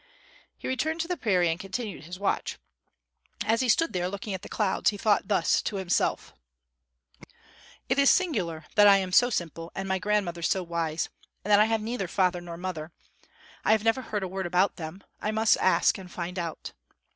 He returned to the prairie and continued his watch. As he stood there looking at the clouds, he thought thus to himself: "It is singular that I am so simple and my grandmother so wise; and that I have neither father nor mother. I have never heard a word about them. I must ask and find out."